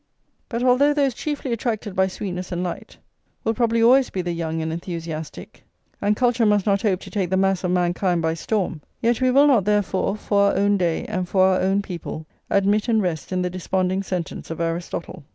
But, although those chiefly attracted by sweetness and light will probably always be the young and enthusiastic, and culture must not hope to take the mass of mankind by storm, yet we will not therefore, for our own day and for our own people, admit and rest in the desponding sentence of Aristotle.